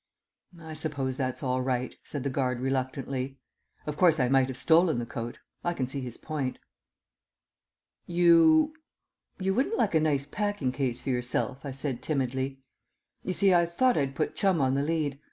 "I suppose that's all right," said the guard reluctantly. Of course, I might have stolen the coat. I see his point. "You you wouldn't like a nice packing case for yourself?" I said timidly. "You see, I thought I'd put Chum on the lead.